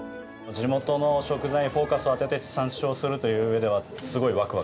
地元の食材にフォーカスを当てて地産地消するという上ではすごいワクワクしています